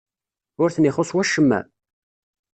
Ur ten-ixuṣṣ wacemma?